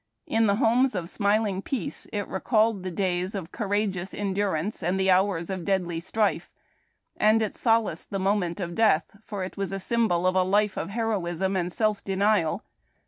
In the homes of smiling peace it recalled the days of courageous endurance and the hours of deadly strife — and it solaced the moment of death, for it was a symbol of a life of heroism and self denial.